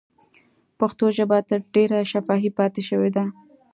پښتو ژبه تر ډېره شفاهي پاتې شوې ده.